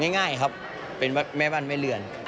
ง่ายครับเป็นแม่บ้านแม่เรือน